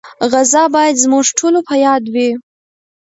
غزه باید زموږ ټولو په یاد وي.